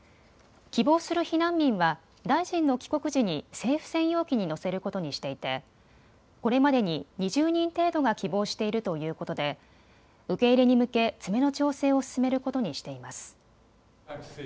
希望する避難民は大臣の帰国時に政府専用機に乗せることにしていてこれまでに２０人程度が希望しているということで受け入れに向け、詰めの調整を進めることにしています。